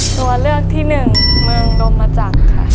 ตัวเลือกที่หนึ่งเมืองดมจักรค่ะ